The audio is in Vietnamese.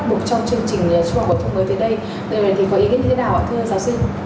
bộ giáo dục và đào tạo